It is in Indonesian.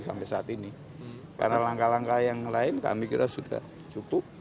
karena langkah langkah yang lain kami kira sudah cukup